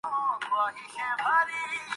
پاکستان کے آئین و قانون کے مطابق